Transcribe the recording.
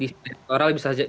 desain elektoral bisa jadi